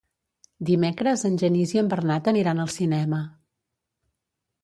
Dimecres en Genís i en Bernat aniran al cinema.